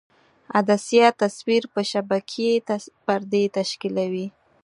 عدسیه تصویر پر شبکیې پردې تشکیولوي.